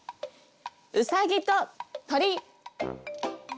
うさぎと鳥。